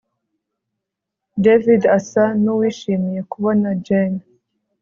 David asa nuwishimiye kubona Jane